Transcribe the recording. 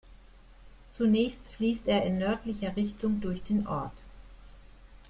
Zunächst fließt er in nördlicher Richtung durch den Ort.